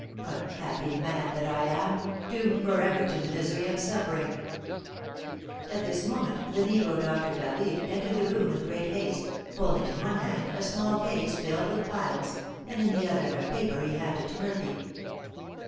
Unhappy man that I am, doomed for ever to misery and suffering!" At this moment the negro doctor, David, entered the room in great haste, holding in one hand a small case filled with phials, and in the other a paper he handed to Murphy.